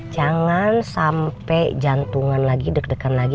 jangan sampai jantungan lagi deg degan lagi